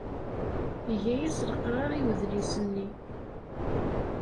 Iga-as leqrar i udlis-nni.